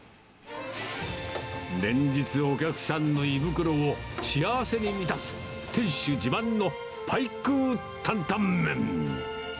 連日、お客さんの胃袋を幸せに満たす店主自慢のパイクー担々麺。